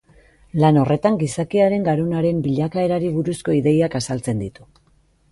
Lan horretan gizakiaren garunaren bilakaerari buruzko ideiak azaltzen ditu.